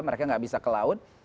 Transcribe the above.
mereka nggak bisa ke laut